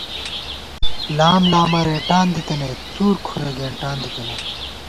لام لامہ رېٹان دِتَنَئیت څُور کُھرے گېنٹان دِتَنَئیت